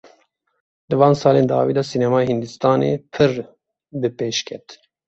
Di van salên dawî de sînemaya Hindistanê pir bi pêş ket.